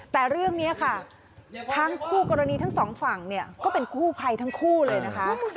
แต่เรื่องนี้ค่ะทั้งคู่กรณีทั้งสองฝั่งเนี่ยก็เป็นกู้ภัยทั้งคู่เลยนะคะ